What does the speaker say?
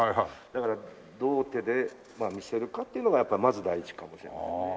だからどう手で見せるかっていうのがまず第一かもしれませんね。